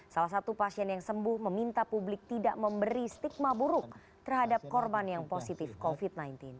salah satu pasien yang sembuh meminta publik tidak memberi stigma buruk terhadap korban yang positif covid sembilan belas